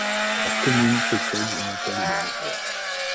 La commune possède une école élémentaire.